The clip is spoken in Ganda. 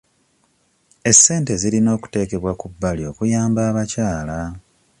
Essente zirina okuteekebwa ku bbali okuyamba abakyala.